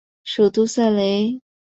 首府塞雷。